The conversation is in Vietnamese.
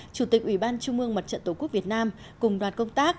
chủ tịch ủy ban trung mương mặt trận tổ quốc việt nam cùng đoàn công tác